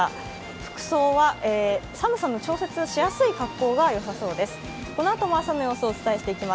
服装は寒さの調節がしやすい格好がよさそうです。